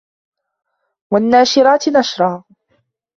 والناشرات نشرا